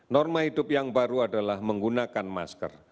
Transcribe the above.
norma hidup yang baru adalah menggunakan masker